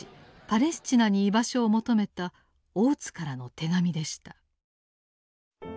パレスチナに居場所を求めた大津からの手紙でした。